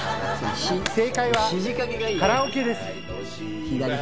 正解は、カラオケです。